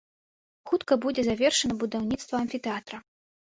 Хутка будзе завершана будаўніцтва амфітэатра.